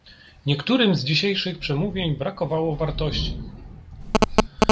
Niektórym z dzisiejszych przemówień brakowało wartości